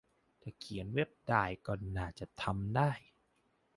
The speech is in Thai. ถ้าเขียนเว็บได้ก็น่าจะทำได้